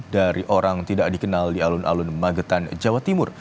dari orang tidak dikenal di alun alun magetan jawa timur